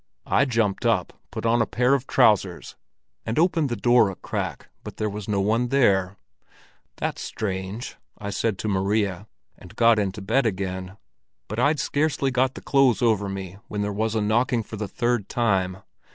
I jumped up, put on a pair of trousers, and opened the door a crack, but there was no one there. 'That's strange!' I said to Maria, and got into bed again; but I'd scarcely got the clothes over me, when there was a knocking for the third time.